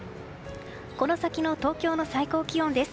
この先の東京の最高気温です。